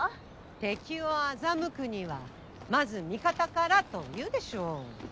敵を欺くにはまず味方からというでしょう。